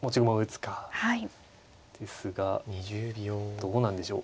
どうなんでしょう。